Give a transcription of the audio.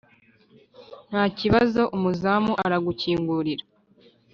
nta kibazo umuzamu aragukingurira.